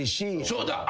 そうだ。